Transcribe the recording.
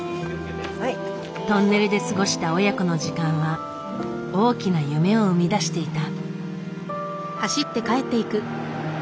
トンネルで過ごした親子の時間は大きな夢を生み出していた。